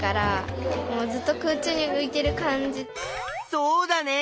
そうだね。